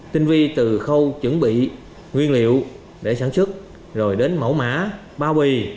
tinh vi từ khâu chuẩn bị nguyên liệu để sản xuất rồi đến mẫu mã bao bì